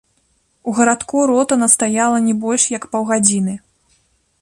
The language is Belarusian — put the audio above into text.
У гарадку рота настаяла не больш, як паўгадзіны.